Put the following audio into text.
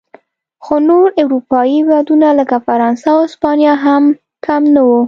خو نور اروپايي هېوادونه لکه فرانسه او هسپانیا هم کم نه و.